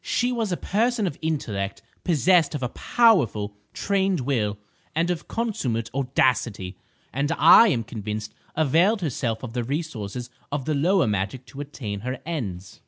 She was a person of intellect, possessed of a powerful, trained will, and of consummate audacity, and I am convinced availed herself of the resources of the lower magic to attain her ends.